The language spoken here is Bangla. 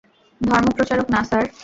ধর্মপ্রচারক না, স্যার।